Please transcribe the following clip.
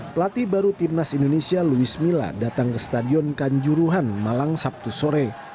pelatih baru timnas indonesia luis mila datang ke stadion kanjuruhan malang sabtu sore